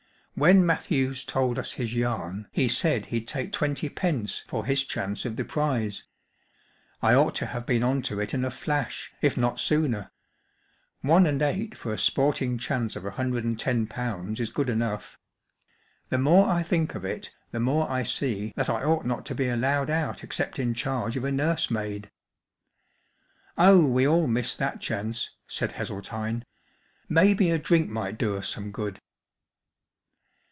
When Matthews told ns his yam he said he'd take twenty pence for his chanoe of the prize. I ought to have been on to it in a flash, if not sooner. One and eight for a sporting chance of a hundred and ten pounds is good enough. The more I think of it the more I see that I ought not to be allowed out except in charge of a nursemaid." " Oh, we all missed that chance,*' said Hessel¬ tine. " Maybe a drink might do us some good."